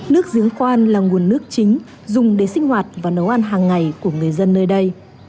nước giếng khoan là nguồn nước chính dùng để sinh hoạt và nấu ăn hàng ngày của người dân nơi đây